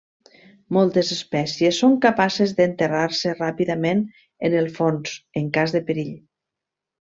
Moltes espècies són capaces d'enterrar-se ràpidament en el fons en cas de perill.